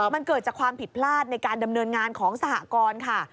มันเกิดจากความผิดพลาดในการดำเนินงานของสหกรค่ะ